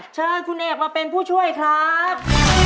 เชิญคุณเอกมาเป็นผู้ช่วยครับ